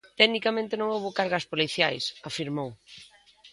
Tecnicamente non houbo cargas policiais, afirmou.